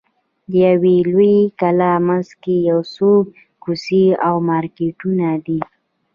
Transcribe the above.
د یوې لویې کلا منځ کې یو څو کوڅې او مارکېټونه دي.